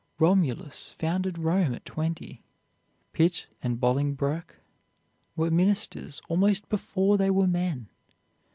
Romulus founded Rome at twenty. Pitt and Bolingbroke were ministers almost before they were men.